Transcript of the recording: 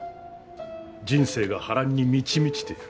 人生が波乱に満ち満ちている。